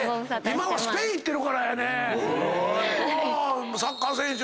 今はスペイン行ってるからやね。